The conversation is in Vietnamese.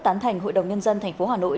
tán thành hội đồng nhân dân tp hà nội